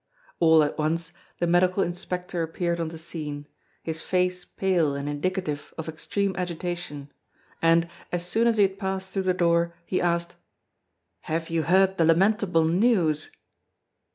All at once, the medical inspector appeared on the scene, his face pale and indicative of extreme agitation; and, as soon as he had passed through the door, he asked: "Have you heard the lamentable news?"